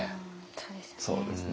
そうですね。